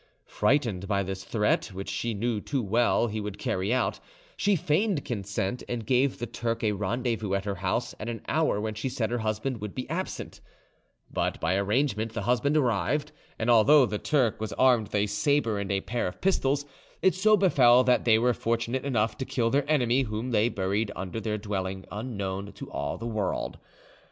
Frightened by this threat, which she knew too well he would carry out, she feigned consent, and gave the Turk a rendezvous at her house at an hour when she said her husband would be absent; but by arrangement the husband arrived, and although the Turk was armed with a sabre and a pair of pistols, it so befell that they were fortunate enough to kill their enemy, whom they buried under their dwelling unknown to all the world.